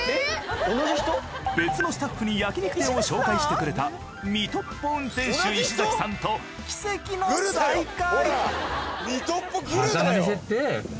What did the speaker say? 別のスタッフに焼肉店を紹介してくれた水戸っぽ運転手石さんと奇跡の再会。